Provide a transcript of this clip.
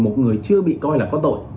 một người chưa bị coi là có tội